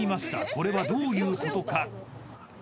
これはどういうことか？］